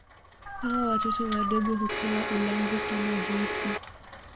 Hata watoto wadogo hupewa ulanzi kama juisi